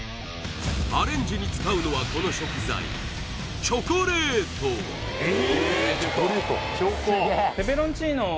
アレンジに使うのはこの食材えっ